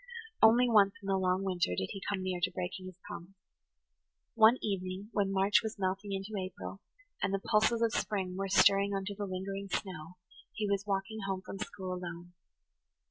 [Page 97] Only once in the long winter did he come near to breaking his promise. One evening, when March was melting into April, and the pulses of spring were stirring under the lingering snow, he was walking home from school alone.